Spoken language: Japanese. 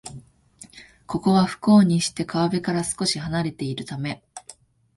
ここは、不幸にして川辺から少しはなれているため